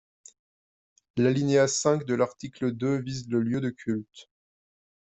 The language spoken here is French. L’alinéa cinq de l’article deux vise le lieu de culte.